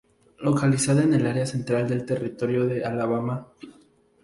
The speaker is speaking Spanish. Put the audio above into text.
Localizada en el área central del Territorio de Alabama, St.